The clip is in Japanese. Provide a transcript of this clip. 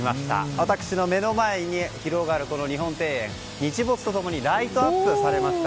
私の目の前に広がる日本庭園日没と共にライトアップされました。